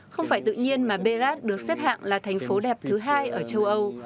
không phải tự nhiên mà berat được xếp hạng là thành phố đẹp thứ hai ở châu âu